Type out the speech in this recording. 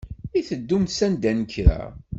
I teddumt sanda n kra?